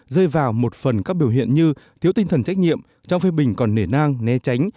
rơi vào một phần các biểu hiện như thiếu tinh thần trách nhiệm trong phê bình còn nể nang né tránh